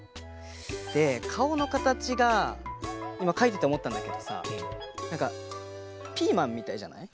でかおのかたちがいまかいてておもったんだけどさなんかピーマンみたいじゃない？